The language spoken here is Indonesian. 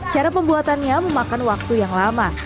cara pembuatannya memakan waktu yang lama